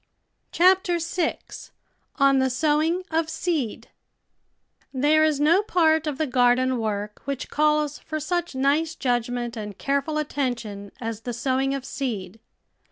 CHAPTER SIX ON THE SOWING OF SEED 1 HERE is no part of the garden work which calls for such nice judgment and careful attention as the sowing of seed.